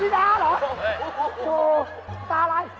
กะตาเหรอ